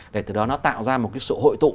để từ đó nó tạo ra một cái sự hội tụ